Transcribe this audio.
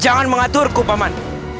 jangan mengaturku paman